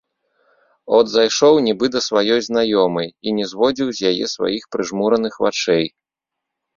От зайшоў нібы да сваёй знаёмай і не зводзіў з яе сваіх прыжмураных вачэй.